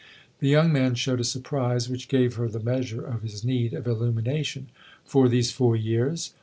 The young man showed a surprise which gave her the measure of his need of illumination. " For these four years